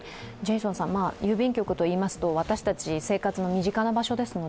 郵便局といいますと私たち、生活の身近な場所ですので